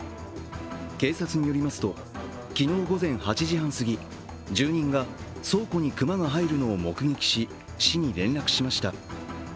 警察によりますと、昨日、午前８時半すぎ住人が倉庫に熊が入るのを目撃し、市に連絡しました。